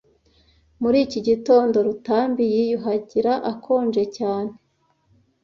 Muri iki gitondo, Rutambi yiyuhagira akonje cyane